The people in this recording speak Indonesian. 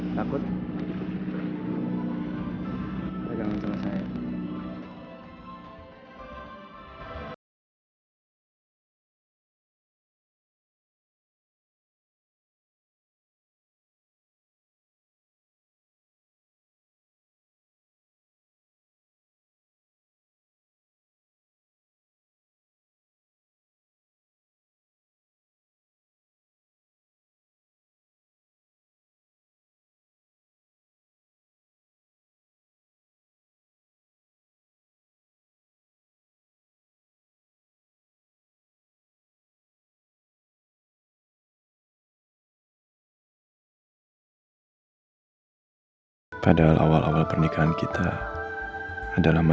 sengaja aku bawa aku ke laut ya